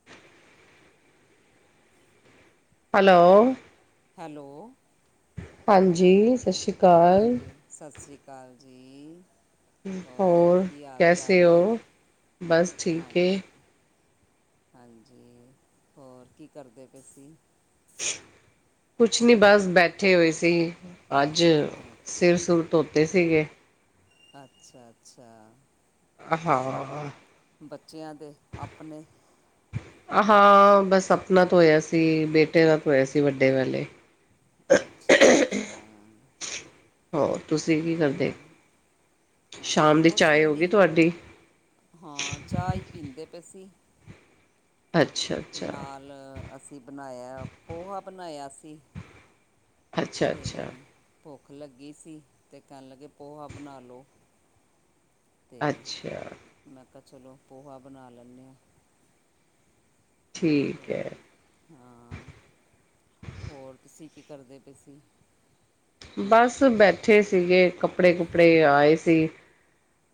[inaudible] Hello. Hello. ਹਾਂਜੀ ਸਸ਼ ਸ਼੍ਰੀ ਅਕਾਲ ਹਾਂਜੀ ਸਸ ਸ਼੍ਰੀ ਕਾਲ ਜੀ। ਹੋਰ ਕੀ ਹਾਲ ਕੈਸੇ ਚਾਲ ਏ ਓ ਬਸ ਹਾਂ ਠੀਕ ਏ। ਹਾਂਜੀ ਹੋਰ ਕੀ ਕਰਦੇ ਪਏ ਸੀ? ਕੁੱਛ ਨੀ ਬਸ ਬੈਠੇ ਹੋਏ ਸੀ। ਅੱਜ ਅੱਛਾ ਸਿਰ ਸੁਰ ਧੋਤੇ ਸੀਗੇ। ਅੱਛਾ-ਅੱਛਾ ਆ ਹਾਂ। ਬੱਚਿਆਂ ਦੇ ਆਪਣੇ ਹਾਂ ਬਸ ਆਪਣਾ ਧੋਇਆ ਸੀ ਬੇਟੇ ਦਾ ਧੋਇਆ ਸੀ ਵੱਡੇ ਵਾਲੇ। ਅੱਛਾ-ਅੱਛਾ ਹੋਰ ਤੁਸੀਂ ਕੀ ਕਰਦੇ? ਹਾਂ ਸ਼ਾਮ ਦੀ ਕੁਛ ਚਾਏ ਵੀ ਹੋਗੀ ਨਹੀਂ ਤੁਹਾਡੀ? ਹਾਂ ਚਾਹ ਈ ਪੀਂਦੇ ਪਏ ਸੀ। ਅੱਛਾ ਅੱਛਾ ਨਾਲ ਅਸੀਂ ਬਣਾਇਆ ਪੋਹਾ ਬਣਾਇਆ ਸੀ। ਅੱਛਾ ਤੇ ਅੱਛਾ ਭੁੱਖ ਲੱਗੀ ਸੀ ਤੇ ਕੈਣ ਲੱਗੇ ਪੋਹਾ ਬਣਾ ਲੋ। ਤੇ ਅੱਛਾ ਮੈਂ ਕਾ ਚਲੋ ਪੋਹਾ ਬਣਾ ਲੈਂਨੇ ਆ। ਤੇ ਠੀਕ ਹੈ ਹਾਂ ਹੋਰ ਤੁਸੀਂ ਕੀ ਕਰਦੇ ਪਏ ਸੀ? ਬਸ ਬੈਠੇ ਸੀਗੇ ਕੱਪੜੇ ਕੁਪੜੇ ਆਏ ਸੀ।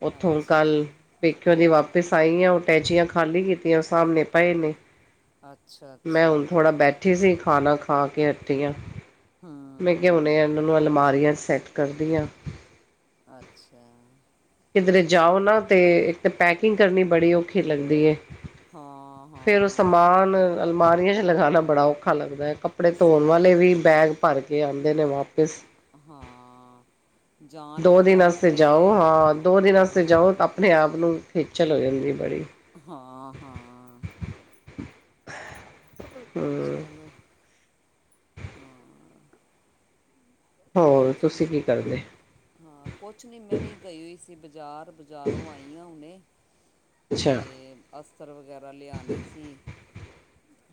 ਓਥੋਂ ਅੱਛਾ ਕੱਲ੍ਹ ਪੇਕਿਓ ਦੀ ਵਾਪਿਸ ਆਈ ਆ ਓ ਟੈਚੀਆਂ ਖਾਲੀ ਕੀਤੀਆਂ ਓ ਸਾਮਣੇ ਪਏ ਨੇ। ਅੱਛਾ ਮੈਂ ਅੱਛਾ ਹੁਣ ਥੋੜ੍ਹਾ ਬੈਠੀ ਸੀ ਖਾਣਾ ਖਾ ਕੇ ਹਟੀ ਆ। ਹੂੰ ਮੈਂ ਕਿਹਾ ਹੁਣੇ ਹੂੰ ਇਨਾਂ ਨੂੰ ਅਲਮਾਰੀਆਂ ਸੈੱਟ ਕਰਦੀਆਂ। ਅੱਛਾ। ਕਿਧਰੇ ਜਾਓ ਨਾ ਤੇ ਇੱਕ ਤੇ ਪੈਕਿੰਗ ਕਰਨੀ ਬੜੀ ਔਖੀ ਲੱਗਦੀ ਏ। ਹਾਂ ਫੇਰ ਓ ਹਾਂ ਸਮਾਨ ਅਲਮਾਰੀਆਂ ਚ ਲਗਾਣਾ ਬੜਾ ਔਖਾ ਲੱਗਦੈ ਕੱਪੜੇ ਧੋਣ ਸਹੀ ਵਾਲੇ ਵੀ ਗੱਲ ਬੈਗ ਭਰ ਕੇ ਆਂਦੇ ਨੇ ਵਾਪਿਸ। ਹਾਂ ਜਾਣ ਦੋ ਦਿਨ ਲੱਗਿਆ ਵੀ ਵਾਸਤੇ ਜਾਓ ਖਲੇਰੇ। ਹਾਂ ਦੋ ਦਿਨਾਂ ਵਾਸਤੇ ਜਾਓ ਹਾਂ ਤਾਂ ਆਪਣੇ ਆਪ ਨੂੰ ਖੇਚਲ ਹੋ ਜਾਂਦੀ ਬੜੀ। ਹਾਂ-ਹਾਂ ਹੂੰ। ਚਲੋ ਹਾਂ। ਹੋਰ ਕੁਛ ਤੁਸੀਂ ਨਹੀਂ ਕੀ ਕਰਦੇ। ਹਾਂ ਕੁੱਛ ਨੀ ਮੈਂ ਵੀ ਗਈ ਹੋਈ ਸੀ ਬਜ਼ਾਰ ਬਜ਼ਾਰੋਂ ਆਈ ਹਾਂ ਹੁਣੇ। ਅੱਛਾ ਤੇ ਅਸਤਰ ਵਗੈਰਾ ਲਿਆਣੇ ਸੀ।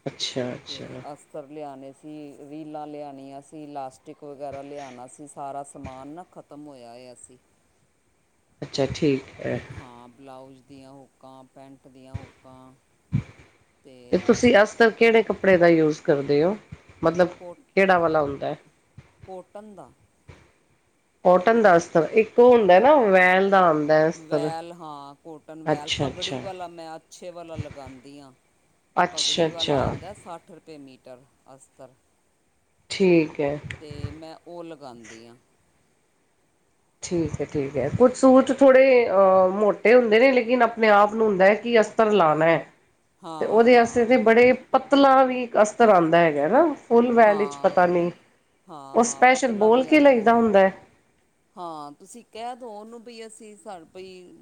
ਅੱਛਾ-ਅੱਛਾ ਸਤਰ ਲਿਆਣੇ ਸੀ, ਰੀਲਾਂ ਲਿਆਣੀਆਂ ਸੀ, ਇਲਾਸਟਿਕ ਵਗੈਰਾ ਲਿਆਣਾ ਸੀ ਸਾਰਾ ਸਮਾਨ ਨਾ ਖ ਤਮ ਹੋਇਆ-ਹੋਇਆ ਸੀ। ਅੱਛਾ ਠੀਕ। ਹੈ ਤੇ ਹਾਂ ਬਲਾਊਜ਼ ਦੀਆਂ ਹੁਕਾਂ ਪੈਂਟ ਦੀਆਂ ਹੁਕਾਂ। ਤੇ ਤੁਸੀਂ ਅਸਤਰ ਕੇੜੇ ਕੱਪੜੇ ਦਾ ਯੂਜ ਕਰਦੇ ਓ ਮਤਲਬ ਕੋ ਕੇੜਾ ਵਾਲਾ ਹੁੰਦੈ? ਕੋਟਨ ਦਾ। ਕੋਟਨ ਦਾ ਅਸਤਰ, ਇੱਕ ਓ ਹੁੰਦਾ ਨਾ ਵੈਲ ਦਾ ਆਂਦ ਵੈਲ ਹਾਂ ਕੋਟਨ ਵੈਲ ਅੱਛਾ ਪਗੜੀ ਅੱਛਾ ਵਾਲਾ ਮੈਂ ਅੱਛੇ ਵਾਲਾ ਲਗਾਂਦੀ ਆ। ਅੱਛਾ ਪਗੜੀ ਵਾਲਾ ਅੱਛਾ ਆਉਂਦਾ ਸੱਠ ਰੁਪਏ ਮੀਟਰ ਅਸਤਰ। ਠੀਕ ਹੈ। ਤੇ ਮੈਂ ਉਹ ਲਗਾਦੀ ਹਾਂ। ਠੀਕ ਹੈ-ਠੀਕ ਹੈ। ਕੁ ਸੂਟ ਥੋੜੇ ਅਹ ਮੋਟੇ ਹੁੰਦੇ ਨੇ ਲੇਕਿਨ ਆਪਣੇ-ਆਪ ਨੂੰ ਹੁੰਦਾ ਹੈ ਕਿ ਅਸਤਰ ਲਾਣਾ ਹੈ। ਤੇ ਹਾਂ ਹਾਂ ਉਹਦੇ ਵਾਸਤੇ ਹਾਂ ਤੇ ਬੜੇ ਪਤਲਾ ਵੀ ਇਕ ਅਸਤਰ ਆਦਾ ਹੈਗਾ ਨਾ। ਫੁੱਲ ਵੈਲ ਹਾਂ ਇਚ ਪਤਾ ਨੀ ਹਾਂ ਉ ਹਾਂ ਸਪੈਸ਼ਲ ਪਤਲਾ ਵੀ ਬੋਲ ਕੇ ਆਂਦਾ ਲ‌ਇਦਾ ਹੁੰਦਾ ਏ। ਹਾਂ, ਤੁਸੀਂ ਕਹਿ ਦੋ ਉਹਨੂੰ ਬਈ ਅਸੀਂ ਬਈ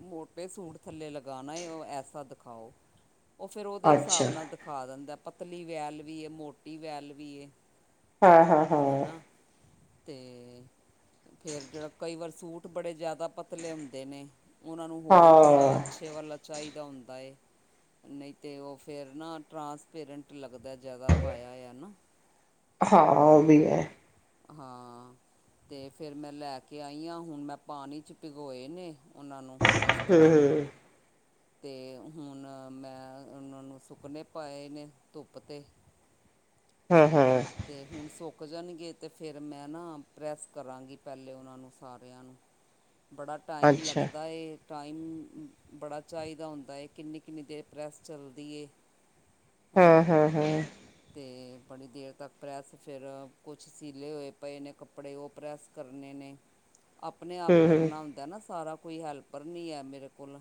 ਮੋਟੇ ਸੂਟ ਥੱਲੇ ਲਗਾਣਾ ਹੈ, ਉ ਐਸਾ ਦਿਖਾਓ। ਉਹ ਫਿਰ ਉਹਦੇ ਹਿਸਾਬ ਅੱਛਾ ਨਾਲ ਦਿਖਾ ਦਿੰਦਾ, ਪਤਲੀ ਵੈਲ ਵੀ, ਮੋਟੀ ਵੈਲ ਵੀ ਏ ਹਾਂ ਹਾਂ ਹਾਂ ਹੈਨਾ, ਤੇ ਫੇਰ ਜਿਹੜਾ ਕਈ ਵਾਰ ਸੂਟ ਬੜੇ ਜ਼ਿਆਦਾ ਪਤਲੇ ਹੁੰਦੇ ਨੇ, ਉਹਨਾਂ ਨੂੰ ਹੋਰ ਥੋੜਾ ਹਾਂ ਅੱਛੇ ਵਲਾ ਚਾਹੀਦਾ ਹੁੰਦਾ ਏ ਨਹੀਂ ਤਾਂ ਉਹ ਫਿਰ ਨਾ ਟਰਾਂਸਪੇਰੈਂਟ ਲੱਗਦਾ ਜ਼ਿਆਦਾ। ਪਾਇਆ ਹੋਯਾ ਨਾ ਹਾਂ ਉਹ ਵੀ ਤੇ ਹੈ ਹਾਂ, ਤੇ ਫਿਰ ਮੈਂ ਲੈ ਕੇ ਆਈ ਹਾਂ, ਹੁਣ ਮੈਂ ਪਾਣੀ ਚ ਪਿਗੋਏ ਨੇ। ਉਹਨਾਂ ਨੂੰ ਹੂੰ ਅਸਤਰਾਂ ਨੂੰ ਹੂੰ ਤੇ ਹੁਣ ਮੈਂ ਉਹਨਾਂ ਨੂੰ ਸੁੱਕਨੇ ਪਾਏ ਨੇ ਧੁੱਪ ਤੇ [unintelligible] [inaudible] ਹੈ-ਹੈਐ ਤੇ ਹੁਣ ਸੁੱਕ ਜਾਣਗੇ ਤੇ ਫਿਰ ਮੈਂ ਨਾ ਪ੍ਰੈੱਸ ਕਰਾਂਗੀ, ਪਹਿਲੇ ਉਹਨਾਂ ਨੂੰ ਸਾਰਿਆਂ ਨੂੰ। ਬੜਾ ਟਾਈਮ ਅੱਛਾ ਲੱਗਦਾ,। ਟਾਈਮ ਬੜਾ ਚਾਹੀਦਾ ਹੁੰਦਾ ਹੈ, ਕਿੰਨੀ-ਕਿੰਨੀ ਦੇਰ ਪ੍ਰੈੱਸ ਚੱਲਦੀ ਏ। ਹਾਂ, ਹਾਂ, ਹਾਂ ਤੇ ਬੜੀ ਦੇਰ ਤੱਕ ਪ੍ਰੈੱਸ ਫਿਰ ਕੁਛ ਸੀਲੇ ਹੋਏ ਪਏ ਨੇ ਕੱਪੜੇ ਉਹ ਪ੍ਰੈੱਸ ਕਰਨੇ ਨੇ ਆਪਨੇ ਹੂੰ ਆਪ ਹੂੰ ਕਰਨਾ ਹੁੰਦਾ ਨਾ ਸਾਰਾ ਕੋਈ ਹੈਲਪਰ ਨੀ ਹੈ ਮੇਰੇ ਕੋਲ।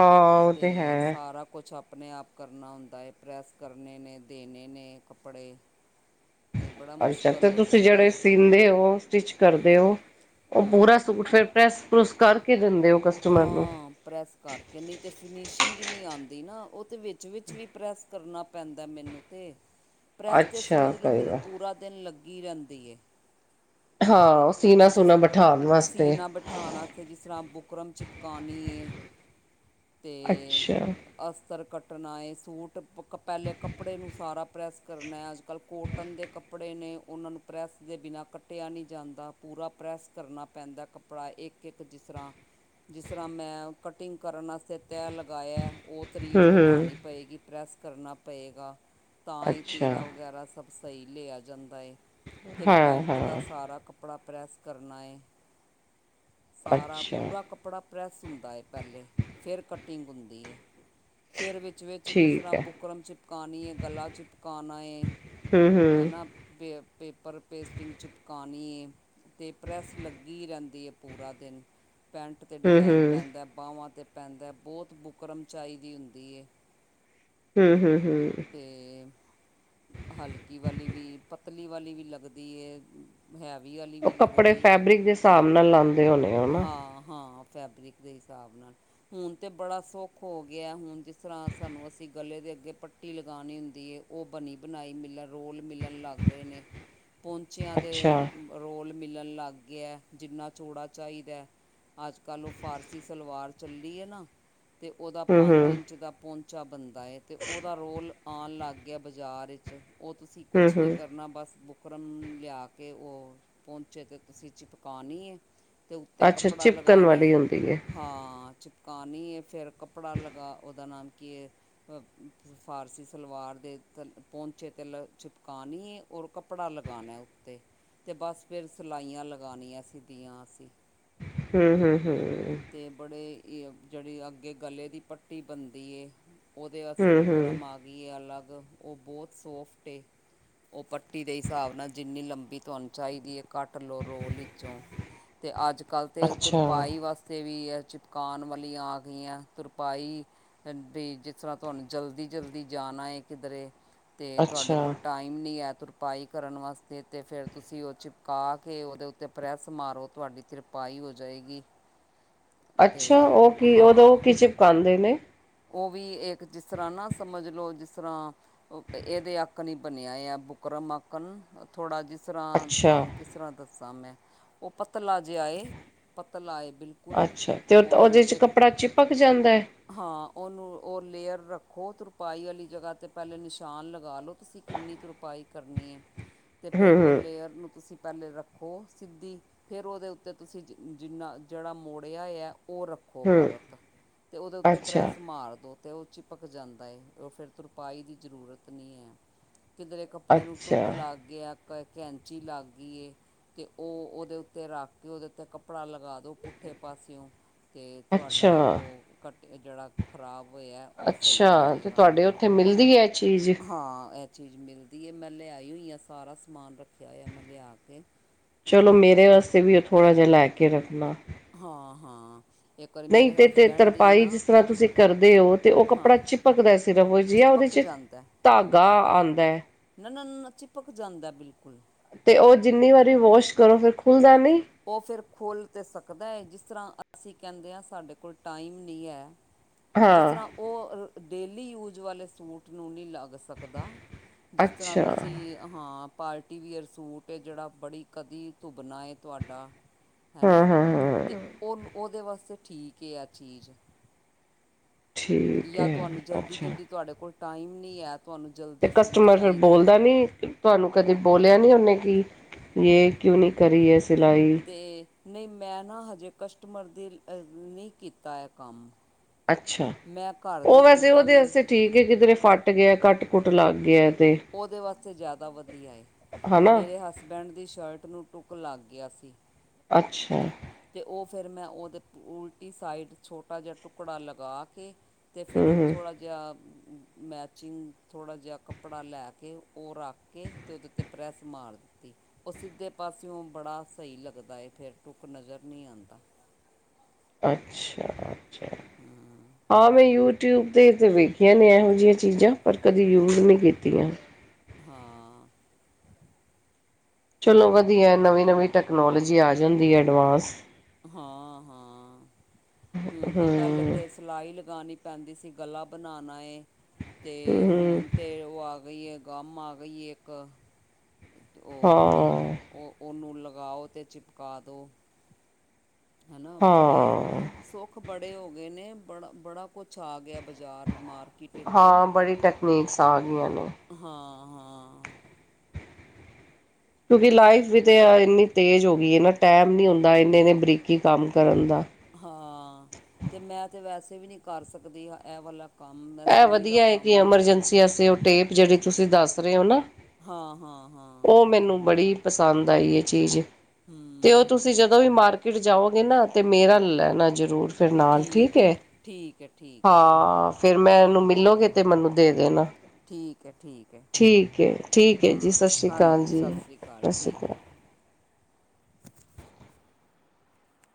ਹਾਂ ਉਹ ਤੇ ਹੈ ਸਾਰਾ ਕੁਛ ਆਪ ਆਪਣੇ-ਆਪ ਕਰਨਾ ਹੁੰਦਾ ਹੈ, ਪ੍ਰੈੱਸ ਕਰਨੇ ਨੇ, ਦੇਣੇ ਨੇ ਕੱਪੜੇ। ਅਤੇ ਬੜਾ ਅੱਛਾ, ਮੁਸ਼ਕਿਲ ਤੇ ਹੋ ਤੁਸੀਂ ਜਾਂਦਾ ਜਿਹੜੇ ਹੈ ਸੀਂਦੇ ਹੋ, ਸਟਿਚ ਕਰਦੇ ਹੂੰ ਹੋ। ਉ ਪੂਰਾ ਹੂੰ ਸੂਟ ਫੇਰ ਪ੍ਰੈਸ-ਪ੍ਰੂਸ ਕਰਕੇ ਦਿੰਦੇ ਹੋ ਕਸ ਹਾਂ ਪ੍ਰੈਸ ਕਰਕੇ, ਨਹੀਂ ਤੇ ਫਿਨਿਸ਼ਿੰਗ ਹੀ ਨਹੀਂ ਆਂਦੀ ਨਾ, ਉਹ ਤੇ ਵਿੱਚ-ਵਿੱਚ ਵੀ ਪ੍ਰੈਸ ਕਰਨਾ ਪੈਂਦਾ ਏ ਮੈਨੂੰ ਤੇ ਪ੍ਰੈੱਸ 'ਤੇ ਅੱਛਾ ਸਮਝ ਲਓ ਮੇਰੀ ਕਰੇਗਾ ਪੂਰਾ ਦਿਨ ਲੱਗੀ ਰਹਿੰਦੀ ਏ। ਹਾਂ, ਸੀਨਾ-ਸੂਨਾ ਬਿਠਾਣ ਵਾਸਤੇ ਤਾਂ ਵਸਤੇ ਜਿਸ ਤਰ੍ਹਾਂ ਬੁਕਰਮ ਚਿਪਕਾਨੀ ਹੈ ਤੇ ਅੱਛਾ ਅਸਤਰ ਕੱਟਣਾ ਹੈ ਸੂਟ ਪਹਿਲੇ ਕੱਪੜੇ ਨੂੰ ਸਾਰਾ ਪ੍ਰੈੱਸ ਕਰਨਾ ਹੈ, ਅੱਜ-ਕੱਲ੍ਹ ਕੋਟਨ ਦੇ ਕੱਪੜ ਕੱਪੜੇ ਨੇ ਉਹਨਾਂ ਨੂੰ ਪ੍ਰੈੱਸ ਦੇ ਬਿਨਾਂ ਕੱਟਿਆ ਨਹੀਂ ਜਾਂਦਾ, ਪੂਰਾ ਪ੍ਰੈੱਸ ਕਰਨਾ ਪੈਂਦਾ ਕੱਪ ਪੜ੍ਹਾ ਇੱਕ-ਇੱਕ ਜਿਸ ਤਰ੍ਹਾਂ ਜਿਸ ਤਰ੍ਹਾਂ ਮੈਂ ਕਟਿੰਗ ਕਰਨ ਵਾਸਤੇ ਤੈਯ ਲਗਾਇਆ, ਉਹ ਹੂੰ ਕਰੀਜ਼ ਹੂੰ ਬਿਠਾਉਣੀ ਪਏਗੀ। ਪ੍ਰੈੱਸ ਕਰਨਾ ਪਏਗਾ ਤਾਂ ਹੀ ਅੱਛਾ ਤੀਰਾ ਵਗੈਰਾ ਸਭ ਸਹੀ ਲਿਆ ਜਾਂਦਾ ਏ। ਫੇਰ ਹਾਂ ਪੈਂਟ ਹਾਂ ਦਾ ਸਾਰਾ ਕੱਪੜਾ ਪ੍ਰੈੱਸ ਕਰਨਾ ਏ। ਸਾਰਾ ਅੱਛਾ ਪੂਰਾ ਕਪੜਾ ਪ੍ਰੈੱਸ ਹੁੰਦਾ ਏ ਪੈਲੇ, ਫੇਰ ਕਟਿੰਗ ਹੁੰਦੀ ਏ। ਫੇਰ ਵਿੱਚ-ਵਿੱਚ ਜਿਸ ਠੀਕ ਤਰਾਂ ਹੈ ਬੁਕਰਮ ਚਿਪਕਾਨੀਂ ਏ, ਗਲਾ ਚਿਪਕਾਨਾ ਏ। ਹੁੰ-ਹੁੰ। ਫੇਰ ਪੇਪਰ ਪੇਸਟਿੰਗ ਚਿਪਕਾਨੀ ਏ। ਤੇ ਪ੍ਰੈੱਸ ਲੱਗੀ ਰੈਂਦੀ ਏ ਪੂਰਾ ਦੇਨ, ਪੈਂਟ ਤੇ ਹੂੰ ਡਿਜ਼ਾਇਨ ਹੂੰ ਪੈਂਦਾ ਬਾਵਾਂ ਤੇ ਪੈਂਦਾ, ਬੋਤ ਬੁਕਰਮ ਚਾਈਦੀ ਹੁੰਦੀ ਏ। ਹੁੰ, ਹੁੰ, ਹੁੰ। ਤੇ ਹਲਕੀ ਵਾਲੀ ਵੀ, ਪਤਲੀ ਵਾਲੀ ਵੀ ਲੱਗਦੀ ਏ। ਹੈਵੀ ਆਲੀ ਉਹ ਵੀ ਕੱਪੜੇ ਲੱਗਦੀ ਏ, ਫੈਬਰਿਕ ਦੇ ਹਿਸਾਬ ਨਾਲ ਲਾਂਦੇ ਹੋਣੇ ਹੋ ਨਾ ਹਾਂ ਹਾਂ, ਫੈਬਰਿਕ ਦੇ ਹਿਸਾਬ ਨਾਲ। ਹੁਨ ਤੇ ਬੜਾ ਸੌਖ ਹੋ ਗਯਾ, ਹੋਨ ਜਿਸ ਤਰਾਂ ਸਾਨੂੰ ਅਸੀ ਗਲੇ ਦੇ ਅੱਗੇ ਪੱ ਟੀ ਲਗਾਨੀ ਹੁੰਦੀ ਏ, ਓ ਬਨੀ-ਬਨਾਈ ਮਿਲ ਰ ਰੋਲ ਮਿਲਨ ਲੱਗ ਗਏ ਨੇ, ਪੋਂਚੇਆਂ ਦੇ ਅੱਛਾ ਰੋਲ ਮਿਲਨ ਲੱਗ ਗਏ ਐ, ਜਿੰਨਾ ਚੌੜਾ ਚਾਈਦੈ। ਅੱਜ-ਕੱਲ ਓ ਫਾਰਸੀ ਸਲਵਾਰ ਚੱਲੀ ਏਨਾ, ਤੇ ਓਦਾ ਹੂੰ ਹੂੰ ਪੰਜ ਇੰਚ ਦਾ ਪੋਂਚ ਚਾ ਬਨਦਾ ਏ, ਤੇ ਓਦਾ ਰੋਲ ਆਨ ਲੱਗ ਗਯਾ ਬਾਜਾਰ ਚ, ਓ ਤੁਸੀਂ ਹੂੰ ਕੁਛ ਹੂੰ ਨੀ ਕਰਨਾ ਬਸ, ਬੁਕ ਰਮ ਲਿਆ ਕੇ ਓ ਪੋਂਚੇ ਤੇ ਤੁਸੀਂ ਚਿਪਕਾ ਨੀ ਏ, ਤੇ ਉੱਤੇ ਕੱਪ ਅੱਛਾ ਕੱਪੜਾ ਚਿਪਕਣ ਲਗਾਨੈ ਵਾਲੀ ਹੁੰਦੀ ਹੈ ਹਾਂ, ਚਿ ਕਾਨੀ ਏ ਫਿਰ ਕੱਪੜਾ ਲਗਾ, ਓਦਾ ਨਾਮ ਕੀ ਏ ਅ ਫਾਰਸੀ ਸਲਵਾਰ ਦੇ ਥੱਲੇ ਪੋਂਚੇ ਤੇ ਲ ਚਿਪਕਾਨੀ ਏ ਔਰ ਕੱਪੜਾ ਲਗਾਨੈ ਉੱਤੇ ਤੇ ਬਸ ਫਿਰ ਸਿਲਾਈਆਂ ਲਗਾਨੀਐ ਸਿਦੀਆਂ ਅਸੀ ਹੂੰ, ਹੂੰ, ਹੂੰ ਤੇ ਬੜੇ ਈ ਜੇੜੀ ਅੱਗੇ ਗਲੇ ਦੀ ਪੱਟੀ ਬਨਦੀ ਏ ਓਦੇ ਆਸਤੇ ਹੂੰ ਹੂੰ ਬੁਕਰਮ ਆ ਗਿਏ ਅਲੱਗ, ਓ ਬੋਤ ਸੋਫਟ ਏ। ਓ ਪੱਟੀ ਦੇ ਹਿਸਾਬ ਨਾ ਜਿੰਨੀ ਲੰਬੀ ਤੁਆਨੂੰ ਚਾਈਦੀ ਏ ਕੱਟ ਲੋ ਰੋਲ ਈਚੋਂ ਤੇ ਅੱਜ-ਕੱਲ ਤੇ ਅੱਛਾ ਤੁਰਪਾਈ ਵਾਸਤੇ ਵੀ ਐ ਚਿਪਕਾਨ ਵਾਲੀਆਂ ਆ ਗਈਆਂ, ਤੁਰਪਾਈ ਵੀ ਜਿਸ ਤਰਾਂ ਤੁਆਨੂੰ ਜਲਦੀ-ਜਲਦੀ ਜਾਨਾ ਏ ਕਿਧਰੇ ਤੇ ਤੁਆਡੇ ਅੱਛਾ ਕੋਲ ਟਾਈ ਮ ਨਈ ਏ ਤੁਰਪਾਈ ਕਰਨ ਵਾਸਤੇ ਤੇ, ਫੇਰ ਤੁਸੀਂ ਓ ਚਿਪਕਾ ਕੇ ਓਦੇ ਉੱਤੇ ਪ੍ਰੈੱਸ ਮਾਰੋ ਤੁਆਡੀ ਤਿਰਪਾਈ ਹੋ ਜਾਏਗੀ। ਅੱਛਾ, ਅਤੇ ਓ ਕੀ ਓਦੋਂ ਓ ਕੀ ਚਿਪਕਾਂਦੇ ਨੇ? ਓਵੀ ਏਕ ਜਿਸ ਤਰਾਂ ਨਾ ਸਮਜ ਲੋ ਜਿਸ ਤਰਾਂ ਏਦੇ ਆਕਣ ਈ ਬਨੇਆ ਯਾ ਬੁਕਰਮ ਆਕਨ ਥੋੜਾ ਜਿਸ ਤਰਾਂ ਅੱਛਾ ਤੁਆਨੂੰ ਕਿਸ ਤਰਾਂ ਦੱਸਾਂ ਮੈਂ, ਓ ਪਤਲਾ ਜੇਆ ਏ। ਪਤਲਾ ਏ ਬਿਲ ਅੱਛਾ ਤੇ ਓ ਓਦੇ ਚ ਕੱਪੜਾ ਚਿਪਕ ਜਾਂਦੈ? ਹਾਂ, ਓਨੂੰ ਓ ਲੇਅਰ ਰੱਖੋ ਤਰੁਪਾਈ ਆਲੀ ਜਗਾ ਤੇ ਪੈਲੇ ਨਿਸ਼ਾਨ ਲਗਾ ਲੋੋ ਤੁਸੀਂ ਕਿੰਨੀ ਤੁਰਪਾਈ ਕਰਨੀ ਏ। ਤੇ ਹੂੰ ਫੇਰ ਓ ਹੂੰ ਲੇਅਰ ਨੂੰ ਤੁਸੀਂ ਪੈਲੇ ਰੱਖੋ ਸਿੱਦੀ, ਫੇਰ ਓਦੇ ਉੱਤੇ ਤੁਸੀਂ ਜ ਜਿੰਨਾ ਜੇੜਾ ਮੋੜਿਆ ਐ, ਓ ਰੱਖੋ ਹੂੰ ਓਪਰ ਤੇ ਓਦੇ ਉੱਤੇ ਅੱਛਾ ਪ੍ਰੈੱਸ ਮਾਰ ਦੋ। ਤੇ ਓ ਚਿਪਕ ਜਾਂਦਾ ਏ, ਓ ਫਿਰ ਤੁਰਪਾਈ ਦੀ ਜ਼ਰੂਰਤ ਨੀ ਐ, ਕਿਧਰੇ ਕੱਪੜੇ ਨੂੰ ਅੱਛਾ ਟੁੱਕ ਲਾ ਗਿਆ ਕ ਕੈਂਚੀ ਲਾਗੀਏ। ਤੇ ਓ ਓਦੇ ਉੱਤੇ ਰੱਖ ਕੇ ਓਦੇ ਉੱਤੇ ਕੱਪੜਾ ਲਗਾ ਪੁੱਠੇ ਪਾਸਿਓਂ ਤੇ ਤੁਹਾਡਾ ਅੱਛਾ ਓ ਕੱਟ ਜਿਹੜਾ ਖਰਾਬ ਹੋਇਆ ਏ ਓ ਸਈ ਹੋ ਜੇਗਾ। ਕਿੱਥੇ ਮਿਲਦੀ ਐ ਏਹ ਚੀਜ਼। ਹਾਂ ਏਹ ਚੀਜ਼ ਮਿਲਦੀ ਐ, ਮੈਂ ਲਿਆਈ ਹੋਈ ਹਾਂ ਸਾਰਾ ਸਮਾਨ ਰੱਖਿਆ ਹੋਇਆ ਮੈਂ ਲਿਆ ਕੇ। ਚਲੋ ਮੇਰੇ ਵਾਸਤੇ ਵੀ ਓ ਥੋੜਾ ਜਿਆ ਲੈ ਕੇ ਰੱਖਣਾ। ਹਾਂ-ਹਾਂ। ਨਈਂ ਤੇ-ਤੇ ਤਰਪਾਈ ਜਿਸ ਤਰਾਂ ਤੁਸੀਂ ਕਰਦੇ ਓ, ਤੇ ਓ ਹਾਂ ਕੱਪੜਾ ਚਿਪਕ ਦਾ ਐ ਸਿਰਫ ਜਾ ਓਦੇ ਚਿਪਕ ਚ ਧਾਗਾ ਆਂਦਾ ਏ। ਨਾ-ਨਾ ਨ ਨਾ, ਚਿਪਕ ਜਾਂਦਾਏ ਬਿਲਕੁਲ। ਤੇ ਓ ਜਿੰਨੀ ਵਾਰੀ ਵੀ ਵਾਸ਼ ਕਰੋ, ਫਿਰ ਖੁੱਲਦਾ ਨਈਂ। ਓ ਫਿਰ ਖੋਲ ਤੇ ਸਕਦਾ ਏ। ਜਿਸ ਤਰਾਂ ਅਸੀਂ ਕਹਿੰਦੇ ਆਂ ਸਾਡੇ ਕੋਲ ਟਾਈਮ ਨਈਂ ਐ ਜਿਸ ਹਾਂ ਤਰਾਂ ਓ ਡੇਲੀ ਯੂਜ ਵਾਲੇ ਸੂਟ ਨੂੰ ਨਈ ਲਾਗ ਸਕ ਸਕਦਾ, ਜਿਸ ਤਰਾਂ ਅੱਛਾ ਤੁਸੀਂ ਹਾਂ ਪਾਰਟੀਵੀਅਰ ਸੂਟ ਹੈ ਜਿਹੜਾ ਬੜੀ ਕਦੀ ਧੁੱਬਣਾ ਤੁਹਾਡਾ ਹੈ ਹਾਂ ਨਾ। ਹਾਂ ਤੇ ਹਾਂ ਉਹਨੂੰ ਉਹਦੇ ਵਾਸਤੇ ਠੀਕ ਹੈ ਆ ਚੀਜ਼। ਠੀਕ ਜਾਂ ਹੈ ਤੁਹਾਨੂੰ ਜਲਦੀ ਅੱਛਾ ਜਲਦੀ ਤੁਹਾਡੇ ਕੋਲ ਟਾਈਮ ਨੀ ਹੈ ਤੁਹਾਨੂੰ ਜਲਦੀ ਤੇ ਸੂਟ ਕਸਟਮਰ ਫਿਰ ਚਾਹੀਦਾ ਬੋਲਦਾ ਨਹੀਂ। ਤੁਹਾਨੂੰ ਕਦੇ ਬੋਲਿਆ ਨਹੀਂ ਉਹਨੇ ਕਿ ਯੇ ਕਿਉਂ ਨਹੀਂ ਕਰੀ ਹੈ ਸਿਲਾਈ। ਤੇ ਨਹੀਂ ਮੈਂ ਨਾ ਹਜੇ ਕਸਟਮਰ ਦੇ ਅ ਨਹੀਂ ਕੀਤਾ ਐ ਕੰਮ। ਅੱਛਾ ਮੈਂ ਘਰ ਦੇ ਉਹ ਵੈਸੇ ਸੂਟਾਂ ਉਹਦੇ ਨੂੰ ਵਾਸਤੇ ਠੀਕ ਏ ਕਿਧਰੇ ਫੱਟ ਗਿਆ ਕੱਟ-ਕੁੱਟ ਲੱਗ ਗਿਆ ਤੇ ਉਹਦੇ ਵਾਸਤੇ ਜ਼ਿਆਦਾ ਵਧੀਆ ਏ। ਹਨਾ ਮੇਰੇ ਹਸਬੈਂਡ ਦੀ ਸ਼ਰਟ ਨੂੰ ਟੁੱਕ ਲੱਗ ਗਿਆ ਸੀ। ਅੱਛਾ। ਤੇ ਉਹ ਫਿਰ ਮੈਂ ਉਹਦੇ ਉਲਟੀ ਸਾਈਡ ਛੋਟਾ ਜਿਹਾ ਟੁਕੜਾ ਲਗਾ ਕੇ ਤੇ ਫਿਰ ਹਮ ਹਮ ਥੋੜ੍ਹਾ ਜਿਹਾ ਮੈਚਿੰਗ, ਥੋੜ੍ਹਾ ਜਿਹਾ ਕੱਪੜਾ ਲੈ ਕੇ ਉਹ ਰੱਖ ਕੇ ਤੇ ਉਹਦੇ ਤੇ ਪ੍ਰੈਸ ਮਾਰ ਦਿੱਤੀ, ਉਹ ਸਿੱਧੇ ਪਾਸਿਓਂ ਬੜਾ ਸਹੀ ਲੱਗਦਾ ਏ ਫੇਰ ਟੁ ਨਜ਼ਰ ਨਹੀਂ ਆਂਦਾ। ਅੱਛਾ-ਅੱਛਾ। ਹਮ। ਹਾਂ ਮੈਂ ਯੂਟਿਊਬ ਤੇ ਹੀ ਤੇ ਵੇਖੀਆਂ ਨੇ ਇਹੋ ਜਿਹੀਆਂ ਚੀਜ਼ਾਂ। ਪਰ ਕਦੇ ਯੂੂਰ ਨਹੀਂ ਕੀਤੀਆਂ। ਹਾਂ। ਚਲੋ ਵਧੀਆ ਨਵੀਂ-ਨਵੀਂ ਟੈਕਨੋਲੋਜੀ ਆ ਜਾਂਦੀ ਹੈ ਐਡਵਾਂਸ। ਹਾਂ-ਹਾਂ ਹੁਣ ਤੇ ਪਹਿਲੇ ਤੇ ਸਿਲਾਈ ਲਗਾਉਣੀ ਪੈਂਦੀ ਸੀ, ਗਲਾ ਬਣਾਉਣਾ ਏ ਤੇ ਹੂੰ ਹੁਣ ਤੇ ਉਹ ਆ ਗਈ ਏ, ਗਮ ਆ ਗਈ ਏ ਇੱਕ ਉਹ ਹਾਂ ਉਹ ਉਹਨੂੰ ਲਗਾਓ ਅਤੇ ਚਿਪਕਾ ਦੋ। ਹੈ ਨਾ ਬੜੇ ਹਾਂ ਸੁੱਖ ਬੜੇ ਹੋ ਗਏ ਨੇ, ਬੜਾ-ਬੜਾ ਕੁਛ ਆ ਗਿਆ ਬਾਜ਼ਾਰ ਮਾਰਕੀਟ ਵਿੱਚ। ਨਕ ਸਾ ਆ ਗਈਆਂ ਨੇ [unintelligible] ਹਾਂ-ਹਾਂ। ਕਿਉਂਕਿ ਲਾਈਫ ਵੀ ਤੇ ਇੰਨੀ ਤੇਜ਼ ਹੋ ਗਈ ਏਨਾ, ਟਾਈਮ ਨਹੀਂ ਹੁੰਦਾ ਇਨੇ-ਇਨੇ ਬਰੀਕੀ ਕੰਮ ਕਰਨ ਦਾ। ਹਾਂ ਤੇ ਮੈਂ ਤੇ ਵੈਸੇ ਵੀ ਨਹੀਂ ਕਰ ਸਕਦੀ ਇਹ ਵਾਲਾ ਕੰਮ ਮੈਂ ਇਹ ਸੂਈ ਦਾ ਵਧੀਆ ਹੈ ਕਿ ਕੰਮ ਐਮਰਜੈਂਸੀ ਵਾਸਤੇ ਉਹ ਟੇਪ ਜਿਹੜੀ ਤੁਸੀਂ ਦੱਸ ਰਹੇ ਹੋ ਨਾ, ਹਾਂ ਹਾਂ ਹਾਂ ਉਹ ਮੈਨੂੰ ਬੜੀ ਪਸੰਦ ਆਈ ਏ ਚੀਜ। ਹੂੰ। ਤੇ ਓ ਤੁਸੀ ਹੂੰ ਜਦੋਂ ਵੀ ਮਾਰਕੀਟ ਜਾਓਗੇ ਨਾ ਤੇ ਮੇਰਾ ਲੱਲਨਾ ਜਰੂਰ। ਫੇਰ ਨਾਲ ਠੀਕ ਹੈ ਏ? ਠੀਕ ਹੈ ਠੀਕ ਹੈ ਹਾਂ। ਫੇਰ ਮੈਂ ਏਨੂੰ ਹਾਂ ਮਿੱਲੋਗੇ ਤੇ ਮੈਨੂੰ ਦੇ ਦੇਨਾਂ। ਠੀਕ ਹੈ ਠੀਕ ਹੈ ਠੀਕ ਏ, ਠੀਕ ਏ ਜੀ। ਹਾਂ ਸਸ ਸ੍ਰੀ ਕਾਲ ਹਾਂਜੀ ਜੀ। ਸਤਿ ਸ਼੍ਰੀ ਅਕਾਲ ਸਸ ਸ੍ਰੀ ਠੀਕ ਕਾਲ। ਹੈ